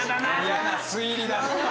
嫌な推理だ。